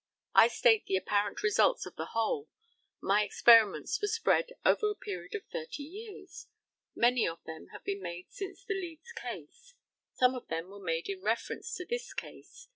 I state the apparent results of the whole. My experiments were spread over a period of thirty years. Many of them have been made since the Leeds case. Some of them were made in reference to this case.